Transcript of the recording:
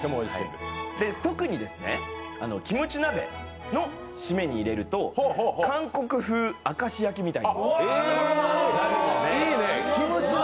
特にキムチ鍋の締めに入れると韓国風明石焼きみたいになるので。